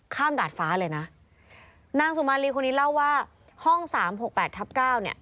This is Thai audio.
ข้ามดาดฟ้าเลยนะนางสุมารีคนนี้เล่าว่าห้อง๓๖๘ทับ๙เนี่ย